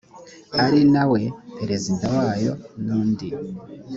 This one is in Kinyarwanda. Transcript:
ari na we perezida wayo n undi